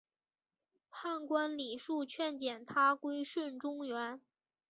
判官李恕劝谏他归顺中原。